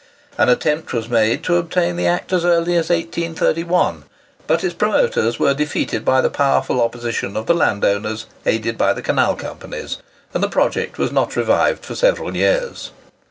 An attempt was made to obtain the Act as early as 1831; but its promoters were defeated by the powerful opposition of the landowners aided by the canal companies, and the project was not revived for several years.